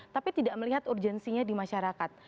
tapi tidak melihat urgensinya di masyarakat